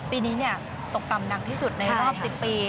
ปีนี้ตกต่ำหนักที่สุดในรอบ๑๐ปี